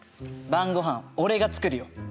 晩ごはん俺が作るよ。